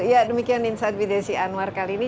ya demikian insight with desi anwar kali ini